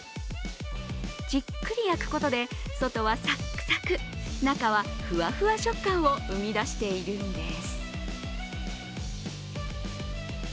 じっくり焼くことで外はサクサク中はふわふわ食感を生み出しているんです。